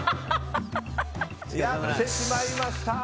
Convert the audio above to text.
やってしまいました。